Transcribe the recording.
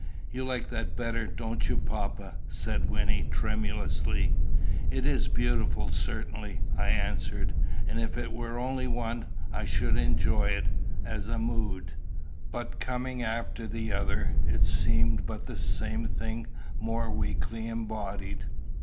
"You like that better, don't you, papa?" said Wynnie tremulously. "It is beautiful, certainly," I answered. "And if it were only one, I should enjoy it as a mood. But coming after the other, it seems but the same thing more weakly embodied."